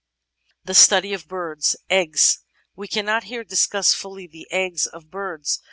§ 15 The Study of Birds' Eggs We cannot here discuss fully the eggs of birds.